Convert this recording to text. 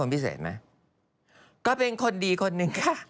คุณม้าก็เป็นคนดีคนนึงค่ะ